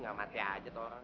gak mati aja tolong